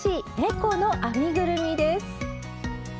この編みぐるみです。